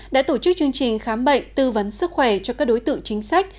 đã tổ chức chương trình khám bệnh tư vấn sức khỏe cho các đối tượng chính sách